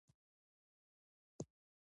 اوړه د ډوډۍ ارزانه شکل دی